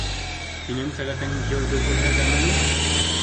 —Һинең сәғәтең йылды күрһәтәме ни?